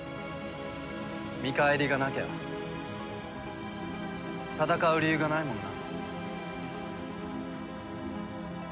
見返りがなきゃ戦う理由がないもんな。